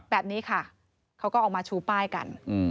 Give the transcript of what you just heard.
แบบนี้ค่ะเขาก็ออกมาชูป้ายกัน